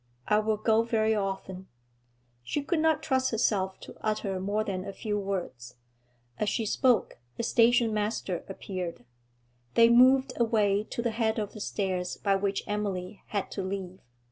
'I will go very often.' She could not trust herself to utter more than a few words. As she spoke, the station master appeared. They moved away to the head of the stairs by which Emily had to leave.